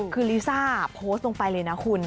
คือลิซ่าโพสต์ลงไปเลยนะคุณ